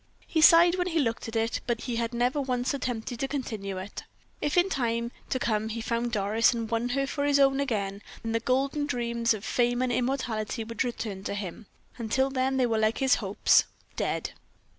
He sighed when he looked at it, but he had never once attempted to continue it. If in the time to come he found Doris, and won her for his own again, then the golden dreams of fame and immortality would return to him; until then they were like his hopes dead!